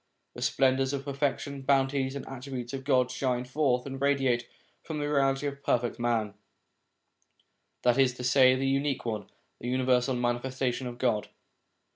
The splendours of the perfections, bounties, and attributes of God shine forth and radiate from the reality of the Perfect Man, that is to say the Unique One, the universal Manifes tation of God.